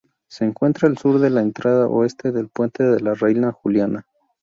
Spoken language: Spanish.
Se encuentra al sur de la entrada oeste del Puente de la Reina Juliana.